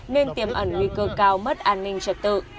nên tiềm ẩn nguy cơ cao mất an ninh trật tự